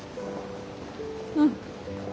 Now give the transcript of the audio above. うん。